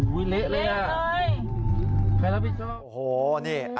อุ๊ยเละเลยนะใครรับพี่ชอบโอ้โฮนี่โอ้โฮ